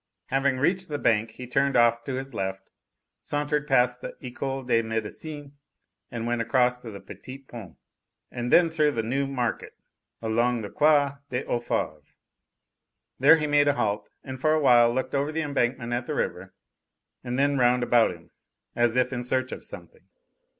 Having reached the bank, he turned off to his left, sauntered past the Ecole de Medecine and went across the Petit Pont, then through the New Market, along the Quai des Orfevres. Here he made a halt, and for awhile looked over the embankment at the river and then round about him, as if in search of something.